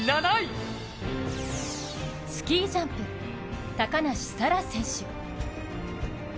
スキージャンプ高梨沙羅選手。